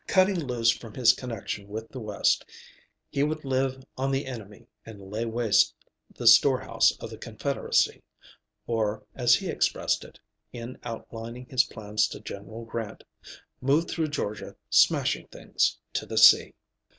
Cutting loose from his connection with the West, he would live on the enemy and lay waste the storehouse of the Confederacy or, as he expressed it in outlining his plans to General Grant, "move through Georgia, smashing things, to the sea."